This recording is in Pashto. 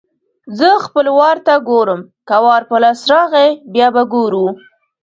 زه خپل وار ته ګورم؛ که وار په لاس راغی - بیا به ګورو.